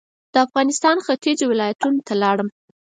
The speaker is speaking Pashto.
د افغانستان ختيځو ولایتونو ته لاړم.